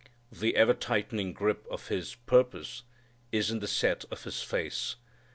The ever tightening grip of His purpose is in the set of His face.